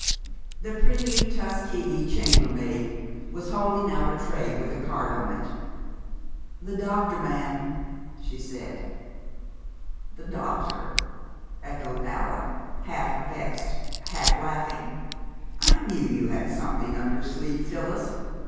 The pretty Tuskegee chambermaid was holding out a tray with a card on it. "The doctor, ma'am," she said. "The doctor!" echoed Allan, half vexed, half laughing. "I knew you had something up your sleeve, Phyllis!